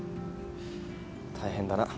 大変だな。